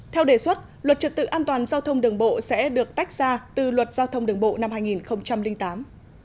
theo đề xuất luật trật tự an toàn giao thông đường bộ sẽ được tách ra từ luật giao thông đường bộ năm hai nghìn tám